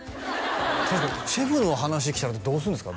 確かにシェフの話来たらどうするんですか？